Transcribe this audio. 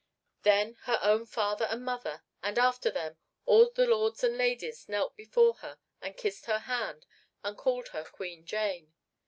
Then her own father and mother and, after them, all the lords and ladies knelt before her and kissed her hand and called her Queen Jane.